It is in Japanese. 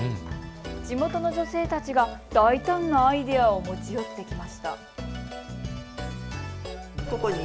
地元の女性たちが大胆なアイデアを持ち寄ってきました。